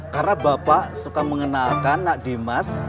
karena bapak suka mengenalkan nak dimas